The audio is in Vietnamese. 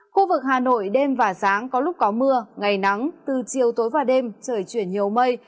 khu vực hà nội đêm và sáng có lúc có mưa ngày nắng từ chiều tối và đêm trời chuyển nhiều mây